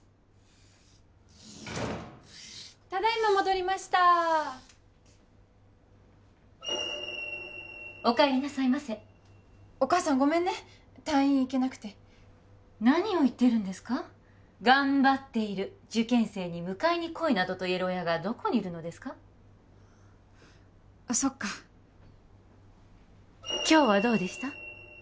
ただいま戻りましたお帰りなさいませお母さんごめんね退院行けなくて何を言ってるんですか頑張っている受験生に迎えに来いなどと言える親がどこにいるのですかそっか今日はどうでした？